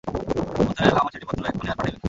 অতএব আমার চিঠিপত্র এক্ষণে আর পাঠাইবে না।